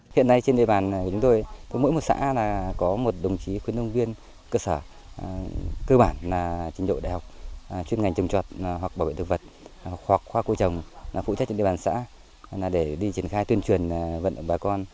hiện nay trên địa bàn của chúng tôi có mỗi một xã có một đồng chí khuyến nông viên cơ sở cơ bản là trình độ đại học chuyên ngành trồng trọt hoặc bảo vệ thực vật hoặc khoa cô trồng phụ trách trên địa bàn xã để đi triển khai tuyên truyền vận động bà con